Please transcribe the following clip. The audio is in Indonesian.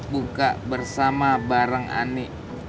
buka bersama bareng ani